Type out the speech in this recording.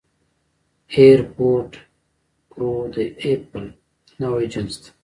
اېرفوډ پرو د اېپل نوی جنس دی